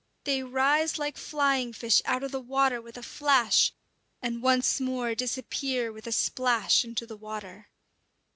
They rise like flying fish out of the water with a flash, and once more disappear with a splash into the water.